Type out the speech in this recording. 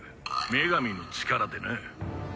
女神の力でな。